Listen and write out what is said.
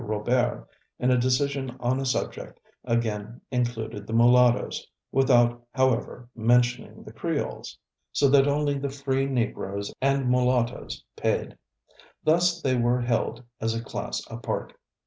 Robert, in a decision on a subject, again included the Mulattoes, without, however, mentioning the Creoles, so that only the free Negroes and Mulattoes paid. Thus they were held as a class apart.